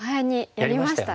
やりましたよね。